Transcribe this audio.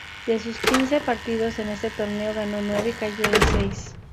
De sus quince partidos en este torneo, ganó nueve y cayó en seis.